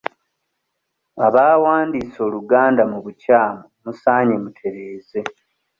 Abaawandiise Oluganda mu bukyamu musaanye mutereeze.